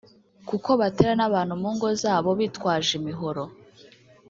kuko batera n’abantu mu ngo zabo bitwaje imihoro